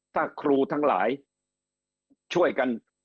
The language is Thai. ถ้าครูทั้งหลายช่วยกัน